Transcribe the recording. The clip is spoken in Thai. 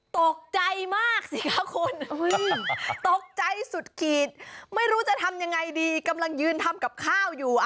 ตกใจมากสิคะคุณตกใจสุดขีดไม่รู้จะทำยังไงดีกำลังยืนทำกับข้าวอยู่